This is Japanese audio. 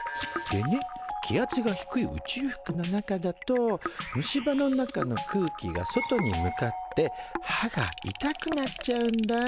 でね気圧が低い宇宙服の中だと虫歯の中の空気が外に向かって歯が痛くなっちゃうんだ。